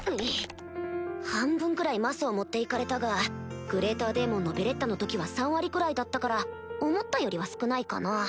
半分くらい魔素を持って行かれたがグレーターデーモンのベレッタの時は３割くらいだったから思ったよりは少ないかな